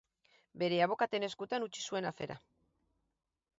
Bere abokaten eskutan utzi zuen afera.